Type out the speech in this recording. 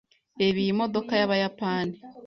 Reba iyi modoka yabayapani.